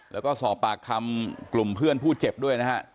แล้วก็สอบปากคำกลุ่มเพื่อนผู้เจ็บด้วยนะฮะ